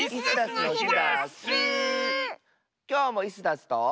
きょうもイスダスと。